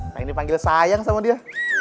kayak dipanggil sayang sama dia